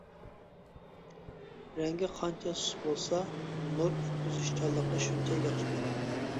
رەڭگى قانچە سۇس بولسا نۇر ئۆتكۈزۈشچانلىقى شۇنچە ياخشى بولىدۇ.